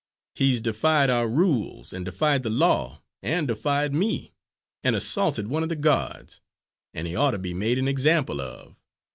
He's defied our rules and defied the law, and defied me, and assaulted one of the guards; and he ought to be made an example of.